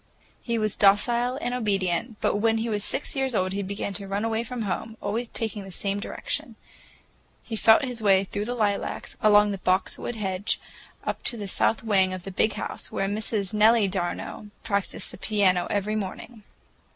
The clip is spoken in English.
He was docile and obedient, but when he was six years old he began to run away from home, always taking the same direction. He felt his way through the lilacs, along the boxwood hedge, up to the south wing of the "Big House," where Miss Nellie d'Arnault practiced the piano every morning.